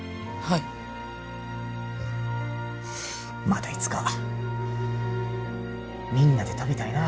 またいつかみんなで食べたいな。